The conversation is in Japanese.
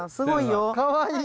かわいい。